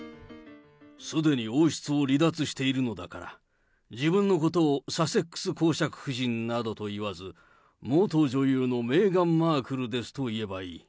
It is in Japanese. すでに王室を離脱しているのだから、自分のことを、サセックス公爵夫人などと言わず、元女優のメーガン・マークルですと言えばいい。